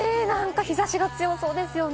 日差しも強そうですね。